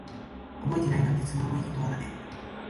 覚えてないなんて、都合のいい言葉だね。